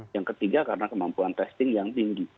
yang ketiga karena kemampuan testing yang tinggi